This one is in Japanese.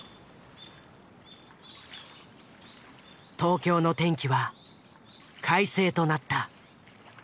東京の天気は快晴となった。